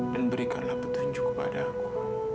berikanlah petunjuk kepada aku